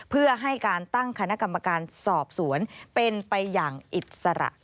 เพื่อให้การตั้งคณะกรรมการสอบสวนเป็นไปอย่างอิสระ